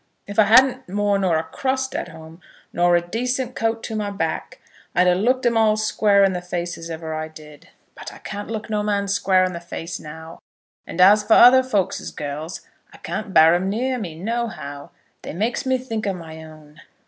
If I hadn't more nor a crust at home, nor a decent coat to my back, I'd a looked 'em all square in the face as ever I did. But I can't look no man square in the face now; and as for other folk's girls, I can't bear 'em near me, no how. They makes me think of my own."